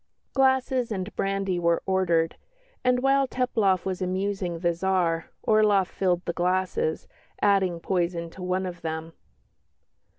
Glasses and brandy were ordered, and while Teplof was amusing the Tsar, Orloff filled the glasses, adding poison to one of them.